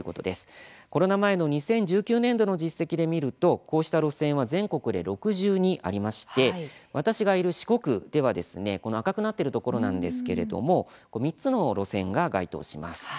コロナ前の２０１９年度の実績で見ると、こうした路線は全国で６２ありまして私がいる四国ではこの赤くなっているところなんですけれども３つの路線が該当します。